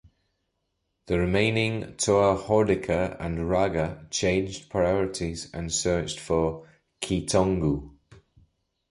The remaining Toa Hordika and Rahaga changed priorities and searched for Keetongu.